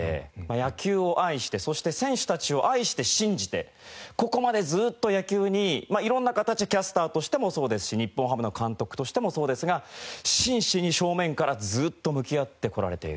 野球を愛してそして選手たちを愛して信じてここまでずっと野球にいろんな形キャスターとしてもそうですし日本ハムの監督としてもそうですが真摯に正面からずっと向き合ってこられている方。